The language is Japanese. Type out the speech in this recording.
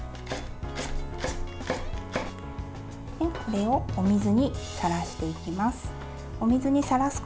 これをお水にさらしていきます。